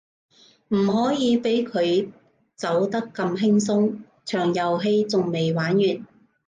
唔可以畀佢走得咁輕鬆，場遊戲仲未玩完